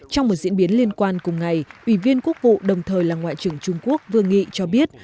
trong một diễn biến liên quan cùng ngày ủy viên quốc vụ đồng thời là ngoại trưởng trung quốc vương nghị cho biết